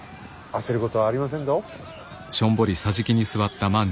焦ることはありませんぞ。